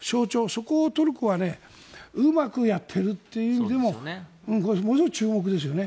そこをトルコはうまくやっているという意味でもものすごく注目ですね。